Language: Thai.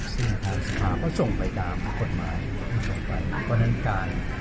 ซึ่งอภัยสุภาพก็ส่งไปตามกฎหมายโปรดอันการ